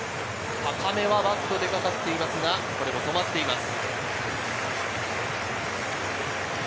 高めはバット出かかっていますが止まっています。